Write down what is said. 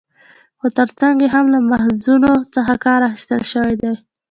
خو تر څنګ يې هم له ماخذونو څخه کار اخستل شوى دى